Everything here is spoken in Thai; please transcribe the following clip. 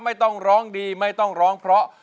ไม่ต้องร้องดีไม่ต้องร้องเพราะ